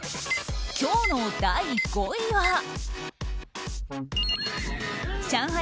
今日の第５位は上海